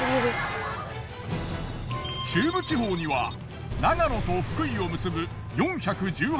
中部地方には長野と福井を結ぶ